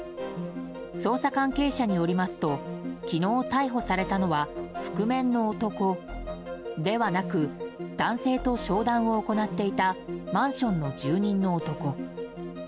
捜査関係者によりますと昨日、逮捕されたのは覆面の男ではなく男性と商談を行っていたマンションの住人の男。